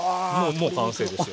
もう完成ですよ。